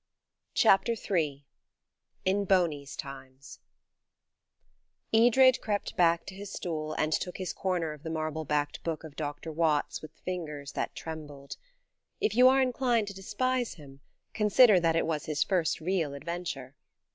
CHAPTER III IN BONEY'S TIMES EDRED crept back to his stool, and took his corner of the marble backed book of Dr. Watts with fingers that trembled. If you are inclined to despise him, consider that it was his first real adventure.